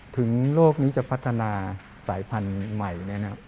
โลกนี้จะพัฒนาสายพันธุ์ใหม่